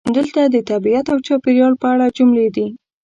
دلته د "طبیعت او چاپیریال" په اړه جملې دي: